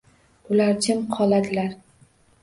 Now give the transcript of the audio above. Ular jim qoladilar.